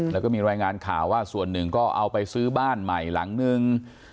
แล้วก็มีรายงานข่าวว่าส่วนหนึ่งก็เอาไปซื้อบ้านใหม่หลังนึง